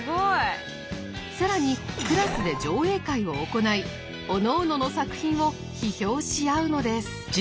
更にクラスで上映会を行いおのおのの作品を批評し合うのです。